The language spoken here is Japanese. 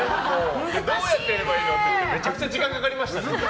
どうやってやればいいのってめちゃくちゃ時間かかりましたよね。